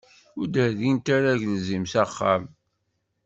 Ur d-rrint ara agelzim s axxam.